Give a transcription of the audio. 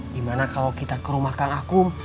dimana kalau kita ke rumah kang akum